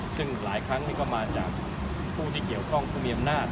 ซึ่งหลายครั้งนี่ก็มาจากผู้ที่เกี่ยวข้องผู้มีอำนาจ